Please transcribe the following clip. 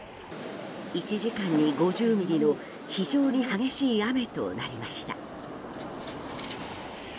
１時間に５０ミリの非常に激しい雨となりました。